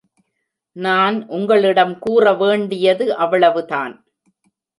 நான் உங்களிடம் கூற வேண்டியது அவ்வளவுதான்!